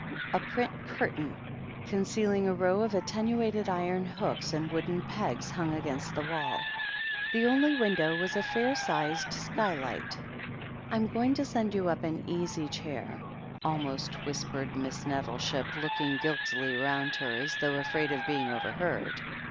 A print curtain, concealing a row of attenuated iron hooks and wooden pegs, hung against the wall. The only window was a fair sized skylight. io6 THE HEEL OF ACHILLES "rm going to send you up an easy chair," almost whispered Miss Nettleship, looking guiltily round her, as though afraid of being overheard.